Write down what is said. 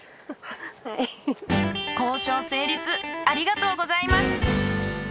ありがとうございます。